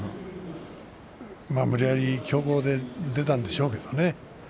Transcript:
無理やり、強攻で出たんでしょうけどね。